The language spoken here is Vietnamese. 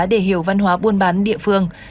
để hiểu văn hóa buôn bán địa phương